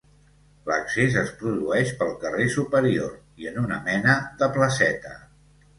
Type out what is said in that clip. L'accés es produeix pel carrer superior, i en una mena de placeta.